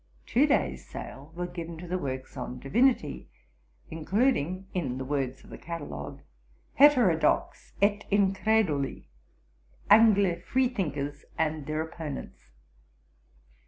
Two days' sale were given to the works on divinity, including, in the words of the catalogue, 'Heterodox! et Increduli. Angl. Freethinkers and their opponents.'